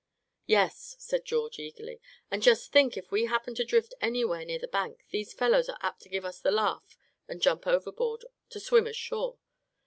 "Yes," said George, eagerly, "and just think if we happen to drift anywhere near the bank these fellows are apt to give us the laugh and jump overboard, to swim ashore.